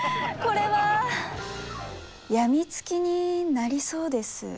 これは病みつきになりそうです。